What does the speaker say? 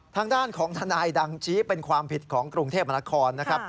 ทางด้านของทนายดังชี้เป็นความผิดของกรุงเทพมนาคอนนะครับ